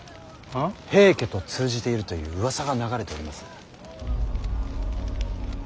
平家と通じているといううわさが流れております。